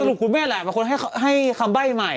สรุปคุณแม่แหละมาควรให้คำใบ้ใหม่